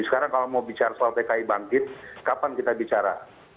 sekarang kalau mau bicara soal pki bangkit kapan kita bicara